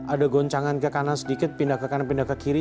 ada goncangan ke kanan sedikit pindah ke kanan pindah ke kiri